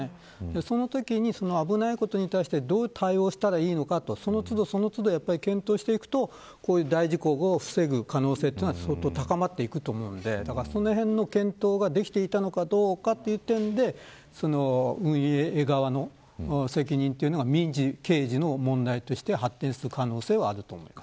そのときに、危ないことに対してどう対応すればいいのかその都度、検討していくとこういった大事故を防ぐ可能性は相当高まっていくと思うのでその辺の検討ができていたのかというところで運営側の責任が民事、刑事の問題として発展する可能性はあると思います。